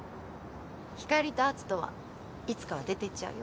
光莉と篤斗はいつかは出て行っちゃうよ？